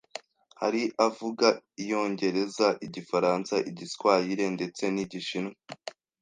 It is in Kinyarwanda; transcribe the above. Hari avuga Iyongereza Igifaransa Igiswayire ndetse n’Igishinwa